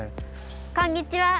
こんにちは！